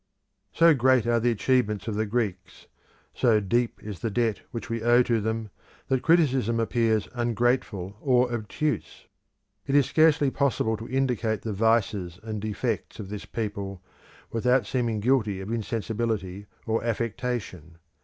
So great are the achievements of the Greeks, so deep is the debt which we owe to them, that criticism appears ungrateful or obtuse. It is scarcely possible to indicate the vices and defects of this people without seeming guilty of insensibility or affectation.